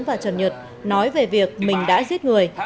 và trần nhật nói về việc mình đã giết người